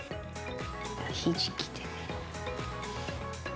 ひじきで。